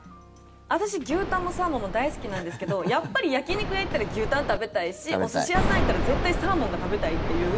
私、牛タンもサーモンも大好きなんですけどやっぱり焼き肉屋行ったら牛タン食べたいしお寿司屋さん行ったら絶対サーモンが食べたいという。